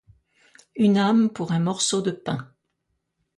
Une âme pour un morceau de pain.